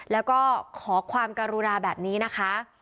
แล้วก็ขอความกรุณาแบบนี้นะคะ